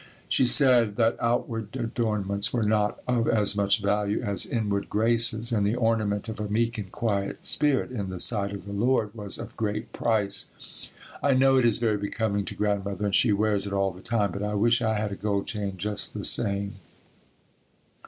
She said that outward adornments were not of as much value as inward graces and the ornament of a meek and quiet spirit, in the sight of the Lord, was of great price. I know it is very becoming to Grandmother and she wears it all the time but I wish I had a gold chain just the same.